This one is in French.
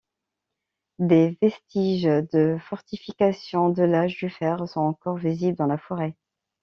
Des vestiges de fortifications de l'âge du fer sont encore visibles dans la forêt.